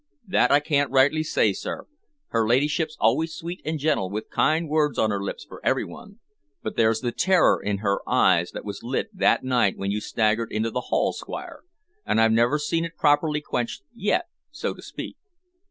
"That I can't rightly say, sir. Her ladyship's always sweet and gentle, with kind words on her lips for every one, but there's the terror there in her eyes that was lit that night when you staggered into the hall, Squire, and I've never seen it properly quenched yet, so to speak.